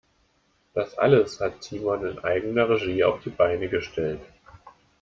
Das alles hat Timon in eigener Regie auf die Beine gestellt.